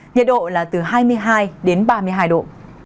nhiệt độ là từ hai mươi hai đến ba mươi hai độ